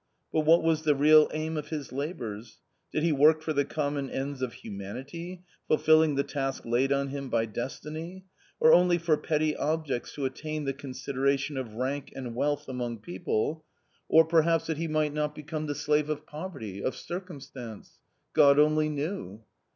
But what was the real aim of his labours ? Did he work for the common ends of humanity, fulfilling the task laid on him by destiny, or only for petty objects to attain the consideration of rank and wealth among people, or K 146 A COMMON STORY perhaps that he might not become the slave of poverty, of circumstance ? God only knew.